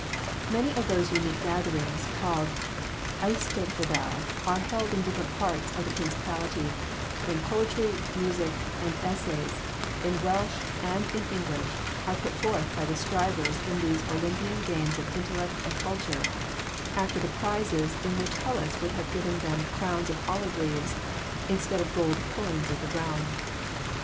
Many of those unique gatherings called eisteddfodau are held in different parts of the principality, when poetry, music, and essays, in Welsh and in English, are put forth by the strivers in these Olympian games of intellect and culture, after the prizes which in Hellas would have given them crowns of olive leaves instead of gold coins of the realm.